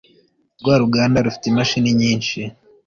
rwa ruganda rufite imashini nyinshi